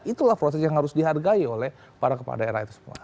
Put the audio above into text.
itulah proses yang harus dihargai oleh para kepala daerah itu semua